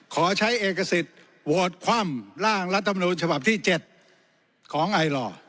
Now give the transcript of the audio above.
ขอใช้เอกสิทธิ์โหวตคว่ำร่างรัฐมนูญฉบับที่๗ของไอหล่อ